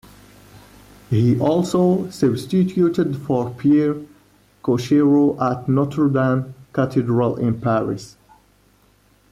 He also substituted for Pierre Cochereau at Notre Dame Cathedral in Paris.